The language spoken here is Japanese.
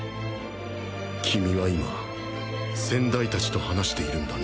君は今先代達と話しているんだね